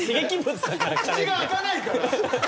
口が開かないから。